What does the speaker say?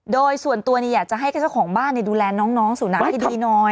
โดยส่วนตัวอยากจะให้เจ้าของบ้านดูแลน้องสุนัขที่ดีหน่อย